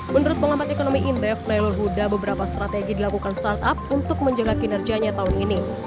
menurut pengamat ekonomi indef nailul huda beberapa strategi dilakukan startup untuk menjaga kinerjanya tahun ini